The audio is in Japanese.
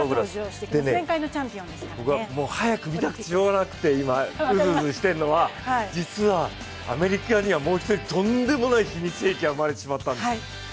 僕は早く見たくてしようがなくて今うずうずしてるのは実はアメリカにはもう１人、とんでもない秘密兵器が生まれてしまったんです。